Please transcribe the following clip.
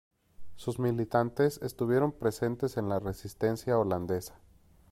Sus militantes estuvieron presentes en la resistencia holandesa.